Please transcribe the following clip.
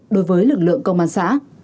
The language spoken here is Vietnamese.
đối với lực lượng công an xã